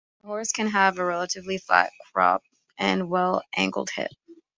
A horse can have a relatively flat croup and a well-angled hip.